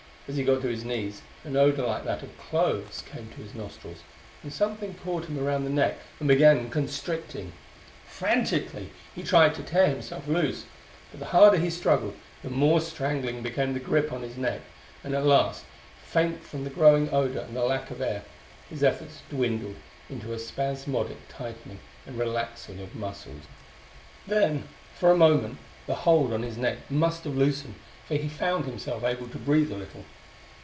As he got to his knees an odor like that of cloves came to his nostrils, and something caught him around the neck and began constricting. Frantically he tried to tear himself loose, but the harder he struggled the more strangling became the grip on his neck; and at last, faint from the growing odor and the lack of air, his efforts dwindled into a spasmodic tightening and relaxing of the muscles. Then, for a moment, the hold on his neck must have loosened, for he found himself able to breathe a little.